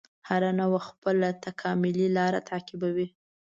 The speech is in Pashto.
هره نوعه خپله تکاملي لاره تعقیبوي.